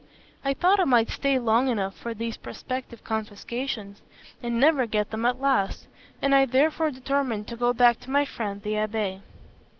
I thought I might stay long enough for these prospective confiscations, and never get them at last; and I therefore determined to go back to my friend the abbé.